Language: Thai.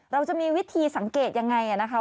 เราจะมีวิธีสังเกตยังไงนะคะ